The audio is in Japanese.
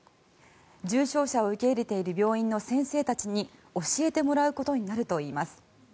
重症者を受け入れている病院の先生たちに教えてもらうことになるといいます。